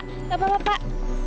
tidak apa apa pak